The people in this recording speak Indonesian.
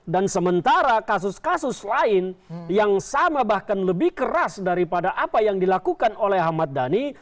dan sementara kasus kasus lain yang sama bahkan lebih keras daripada apa yang dilakukan oleh ahmad dhani